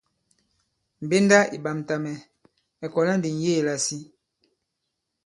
Mbenda ì ɓamta mɛ̀, mɛ̀ kɔ̀la ndi ŋ̀yeē lasi.